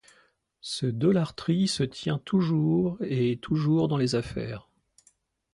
Ce Dollar Tree se tient toujours et est toujours dans les affaires.